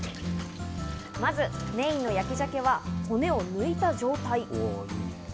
まずメインの焼き鮭は骨を抜いた状態。